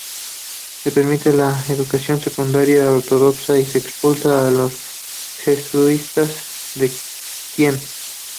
Se permitía la educación secundaria ortodoxa y se expulsaba a los jesuitas de Kiev.